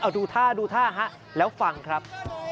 เอาดูท่าแล้วฟังครับ